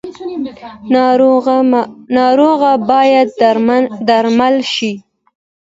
ناروغه باید درمل شي